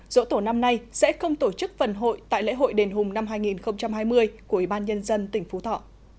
dỗ tổ năm nay sẽ không tổ chức phần hội tại lễ hội đền hùng năm hai nghìn hai mươi của ủy ban nhân dân tỉnh phú thọ